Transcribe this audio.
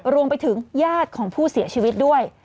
รวมไปถึงญาติของผู้เสียชีวิตด้วย